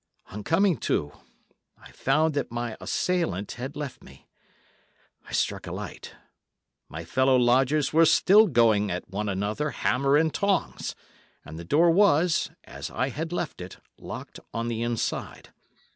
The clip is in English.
On coming to, I found that my assailant had left me. I struck a light. My fellow lodgers were still going at one another hammer and tongs—and the door was, as I had left it, locked on the inside.